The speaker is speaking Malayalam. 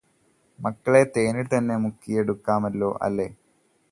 മകളെ തേനിൽ തന്നെ മുക്കിയെടുക്കാമല്ലോ അല്ലേ